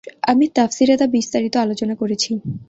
আমি তাফসীরে তা বিস্তারিত আলোচনা করেছি।